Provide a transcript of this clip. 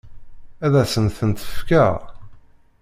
Ad asent-ten-tefkeḍ?